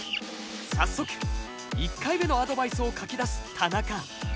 早速１回目のアドバイスを書きだす田中。